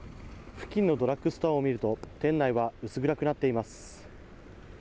付近のドラッグストアを見ると店内は薄暗くなっています。